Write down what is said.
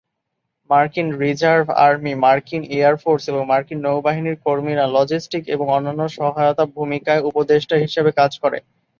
মার্কিন reserve army, মার্কিন air force এবং মার্কিন নৌবাহিনীর কর্মীরা লজিস্টিক এবং অন্যান্য সহায়তা ভূমিকায় উপদেষ্টা হিসেবে কাজ করে।